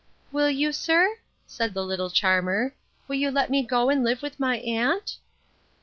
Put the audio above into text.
Will you, sir? said the little charmer; will you let me go and live with my aunt?